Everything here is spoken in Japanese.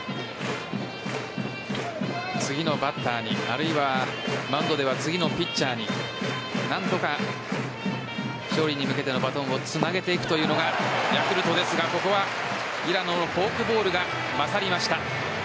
次のバッターにあるいはマウンドでは次のピッチャーに何とか勝利に向けてのバトンをつなげていくというのがヤクルトですが、ここは平野のフォークボールが勝りました。